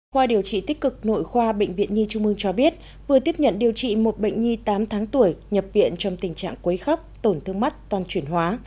khoa điều trị tích cực nội khoa bệnh viện nhi trung mương cho biết vừa tiếp nhận điều trị một bệnh nhi tám tháng tuổi nhập viện trong tình trạng quấy khóc tổn thương mắt toàn chuyển hóa